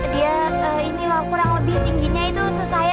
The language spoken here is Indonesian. dia ini loh kurang lebih tingginya itu sesaya